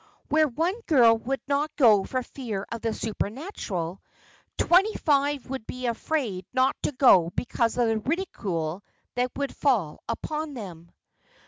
Where one girl would not go for fear of the supernatural, twenty five would be afraid not to go because of the ridicule that would fall upon them.